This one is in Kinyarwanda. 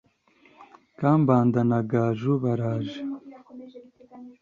kambanda na gaju baraje